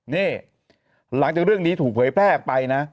นี่หลังจากเรื่องนี้ถูกเผยแพร่ออกไปนะ